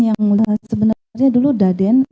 yang sebenarnya dulu daden